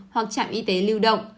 hoặc trạm y tế lưu động